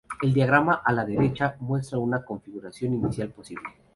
El diagrama a la derecha muestra una configuración inicial posible.